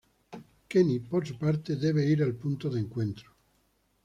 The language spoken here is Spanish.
Kenny, por su parte, debe ir al punto de encuentro.